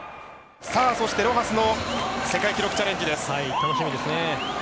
ロハスの世界記録チャレンジです。